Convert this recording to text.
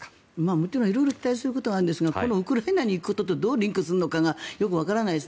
もちろん色々期待することはあるんですがこのウクライナと行くこととどうリンクするのかがよくわからないです。